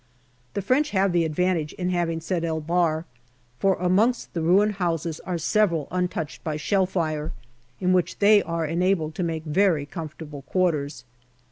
The French have the advantage in having Sed el Bahr, for amongst the ruined houses are several untouched by shell fire, in which they are enabled to make very comfortable quarters.